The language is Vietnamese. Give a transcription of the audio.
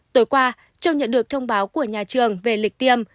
tối qua châu nhận được thông báo của nhà trường về lịch tiêm